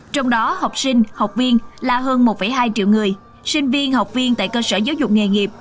trong đó học sinh học viên là hơn một hai triệu người sinh viên học viên tại cơ sở giáo dục nghề nghiệp